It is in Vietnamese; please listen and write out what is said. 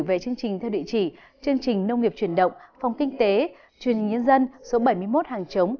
đến đây chương trình nông nghiệp truyền động xin được tạm dừng